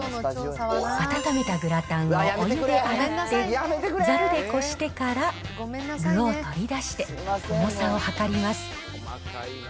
温めたグラタンをお湯で洗って、ザルでこしてから具を取り出して、重さを量ります。